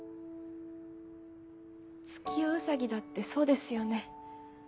月夜ウサギだってそうですよね。